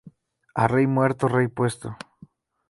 A rey muerto, rey puesto